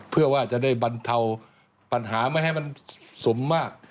เพื่อว่าจะได้บรรเทาปัญหาไม่ให้มันสมมาก